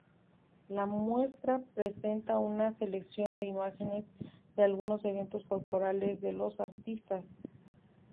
La muestra presenta una selección de imágenes de algunos eventos corporales de las artistas.